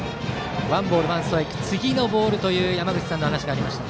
次のボールという山口さんの話がありました。